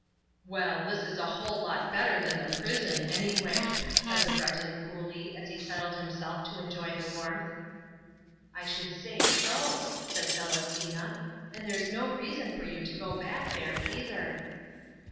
"Well, this is a whole lot better than the prison anyway," said the Breton coolly, as he settled himself to enjoy the warmth. "I should say so," said Celestina, "and there's no reason for you to go back there either."